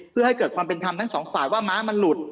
เพื่อให้เกิดความเป็นธรรมทั้งสองฝ่ายว่าม้ามันหลุด